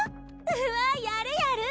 うわやるやる！